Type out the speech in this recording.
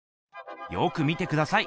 よく見てください。